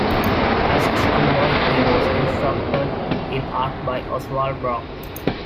As a school boy he was instructed in art by Oswald Brock.